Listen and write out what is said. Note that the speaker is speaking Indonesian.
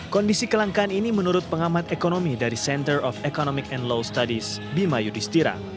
kondisi kelangkaan ini menurut pengamat ekonomi dari center of economic and law studies bima yudhistira